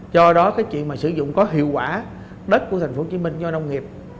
do đó cái chuyện mà sử dụng có hiệu quả đất của thành phố hồ chí minh cho nông nghiệp